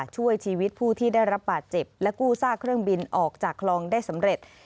ช่วยชีวิตผู้ที่ได้รับบาดเจ็บและกู้ซากเครื่องบินออกจากคลองได้สำเร็จ